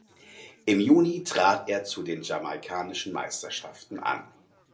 Im Juni trat er zu den Jamaikanischen Meisterschaften an.